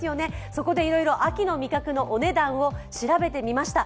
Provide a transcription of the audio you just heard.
そこでいろいろ秋の味覚のお値段を調べてみました。